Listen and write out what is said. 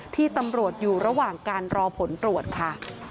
ที่ตำรวจอยู่ระหว่างการรอผลตรวจค่ะ